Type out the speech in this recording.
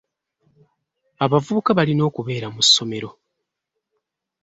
Abavubuka balina okubeera mu ssomero.